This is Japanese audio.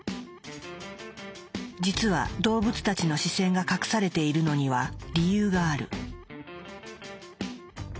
実は動物たちの視線が隠されているのには理由がある。